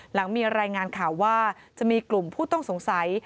หลังมีรายงานข่าวว่าจะมีกลุ่มผู้ต้องสงสัย